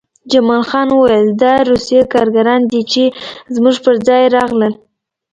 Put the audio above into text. جمال خان وویل دا روسي کارګران دي چې زموږ پرځای راغلل